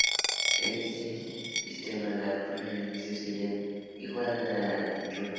En este sistema la altura del edificio sería igual a su anchura.